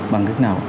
bằng cách nào